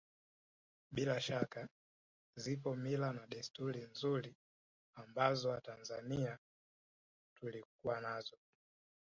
Bila shaka zipo mila na desturi nzuri ambazo Watanzania tulikuwa nazo